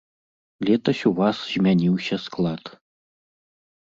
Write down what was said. Летась у вас змяніўся склад.